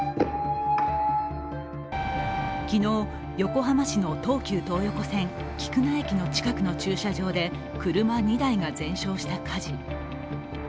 昨日、横浜市の東急東横線・菊名駅の近くの駐車場で車２台が全焼した火事。